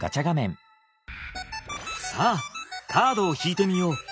さあカードを引いてみよう。